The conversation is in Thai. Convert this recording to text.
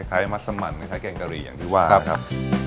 มัสมันคล้ายแกงกะหรี่อย่างที่ว่านะครับ